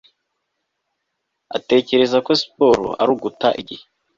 atekereza ko siporo ari uguta igihe